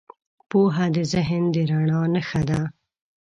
پوهه د ذهن د رڼا نښه ده.